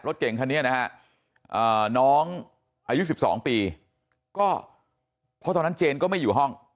รถเก่งทั้งเนี้ยนะฮะอ่าน้องอายุสิบสองปีก็เพราะตอนนั้นเจนก็ไม่อยู่ห้อง